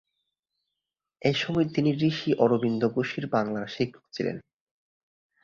এসময় তিনি ঋষি অরবিন্দ ঘোষের বাংলার শিক্ষক ছিলেন।